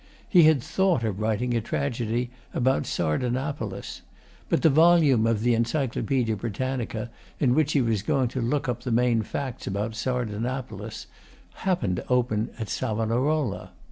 He had thought of writing a tragedy about Sardanapalus; but the volume of the "Encyclopedia Britannica" in which he was going to look up the main facts about Sardanapalus happened to open at Savonarola.